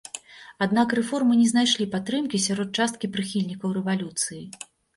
Аднак рэформы не знайшлі падтрымкі сярод часткі прыхільнікаў рэвалюцыі.